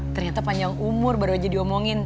ternyata panjang umur baru aja diomongin